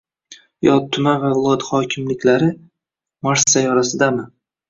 Yoki tuman va viloyat hokimliklari Mars sayyorasidami?